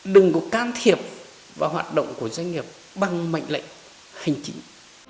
đừng có can thiệp vào hoạt động của doanh nghiệp bằng mệnh lệnh hành chính